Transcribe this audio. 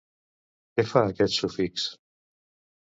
Què fa aquest sufix?